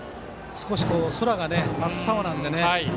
少し空が真っ青なんでね。